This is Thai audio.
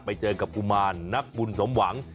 ไปเจอกับกุมารนักบุญสมหวัง